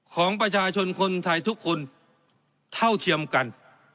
ของประชาชนคนไทยทุกคนเท่าเทียมกัน